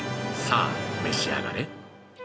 さあ、召し上がれ。